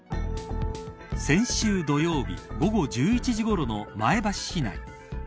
先週土曜日午後１１時ごろの前橋市内。